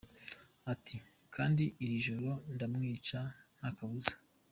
Ati “Kandi iri joro ndamwica ntakabuza”.